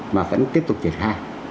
mà vẫn tiếp tục triển khai